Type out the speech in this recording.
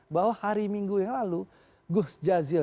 bahwa hari minggu yang lalu gus jazil